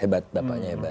hebat bapaknya hebat